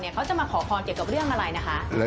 เขาจะมาขอพรเกี่ยวกับเรื่องอะไรนะคะ